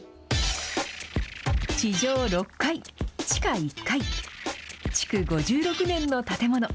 地上６階、地下１階、築５６年の建物。